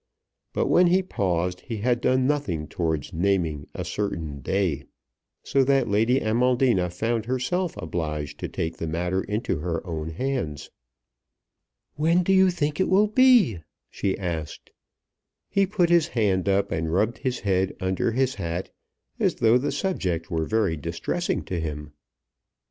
But when he paused he had done nothing towards naming a certain day, so that Lady Amaldina found herself obliged to take the matter into her own hands. "When then do you think it will be?" she asked. He put his hand up and rubbed his head under his hat as though the subject were very distressing to him.